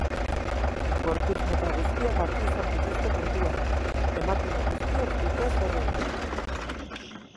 Gorputz mota guztiak hartu izan dituzte kontuan, emakume guztiek dute zer erosi.